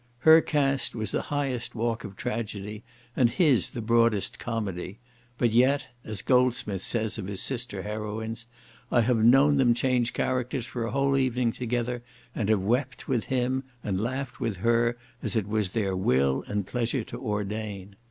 Her cast was the highest walk of tragedy, and his the broadest comedy; but yet, as Goldsmith says of his sister heroines, I have known them change characters for a whole evening together, and have wept with him and laughed with her, as it was their will and pleasure to ordain.